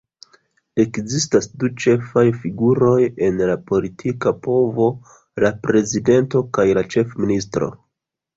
Ekzistas du ĉefaj figuroj en la politika povo: la prezidento kaj la ĉefministro.